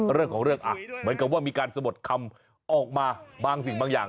เหมือนกับว่ามีการสบดคำออกมาบางสิ่งบางอย่าง